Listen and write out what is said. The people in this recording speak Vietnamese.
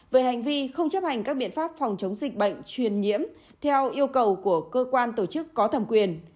về hành vi không chấp hành các biện pháp phòng chống dịch bệnh truyền nhiễm theo yêu cầu của cơ quan tổ chức có thẩm quyền